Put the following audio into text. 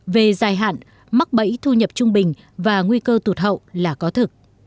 về dài hạn mắc bẫy thu nhập trung bình và nguy cơ tụt hậu là có thực